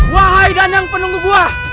wahai dan yang penunggu gua